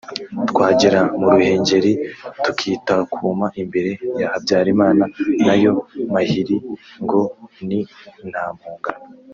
twagera mu Ruhengeli tukitakuma imbere ya Habyalimana n’ ayo mahiri ngo ni nta mpongano